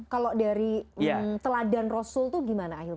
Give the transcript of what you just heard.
kalau dari teladan rosul tuh gimana ahilman